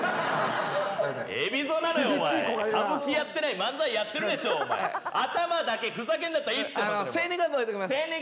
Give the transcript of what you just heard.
海老蔵なのよお前歌舞伎やってない漫才やってるでしょう頭だけふざけんだったらいいって生年月日おいときます